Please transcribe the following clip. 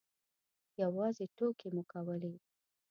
یوازې ټوکې مو کولې.